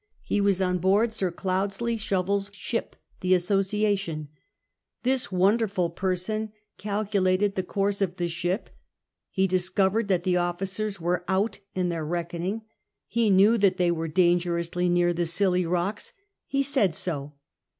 He was on board Sir Cloudesley Shovel's sliip, the Assomtim, This wonderful i)crRon c^ilcnlatcd the course of the ship, he discovered that the officers were out <iii their reckoning, he knew that they were dangerously near the Scilly rocks; he said so.